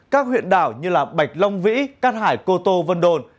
các huyện đảo như bạch long vĩ cát hải cô tô vân đồn